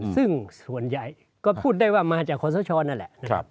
ซึ่งส่วนใหญ่ก็พูดได้ว่ามาจากคอสชนั่นแหละนะครับ